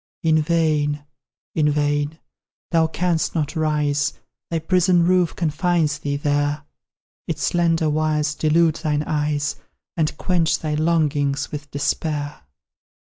In vain in vain! Thou canst not rise: Thy prison roof confines thee there; Its slender wires delude thine eyes, And quench thy longings with despair.